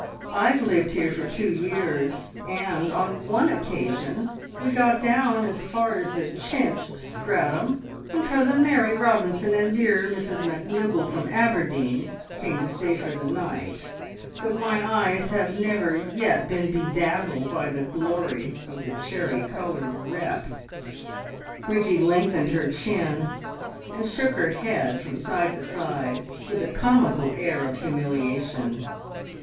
I have lived here for two years, and on one occasion we got down as far as the chintz stratum, when Cousin Mary Robinson and dear Mrs MacDugal from Aberdeen came to stay for the night, but my eyes have never yet been dazzled by the glory of the cherry coloured repp." Bridgie lengthened her chin, and shook her head from side to side, with a comical air of humiliation.